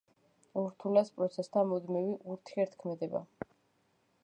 ურთულეს პროცესთა მუდმივი ურთიერთქმედება.